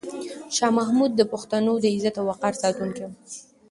شاه محمود د پښتنو د عزت او وقار ساتونکی و.